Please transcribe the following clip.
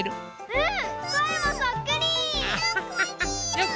うん！